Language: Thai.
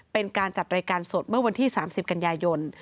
เป็นการจัดรายการสดเมื่อวันที่๓๐กันยายน